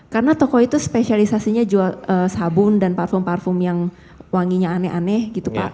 karena toko itu spesialisasinya jual sabun dan parfum parfum yang wanginya aneh aneh gitu pak